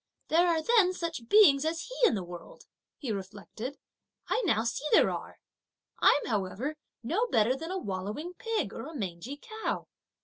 "There are then such beings as he in the world!" he reflected. "I now see there are! I'm however no better than a wallowing pig or a mangy cow!